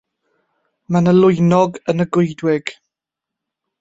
Mae 'na lwynog yn y goedwig.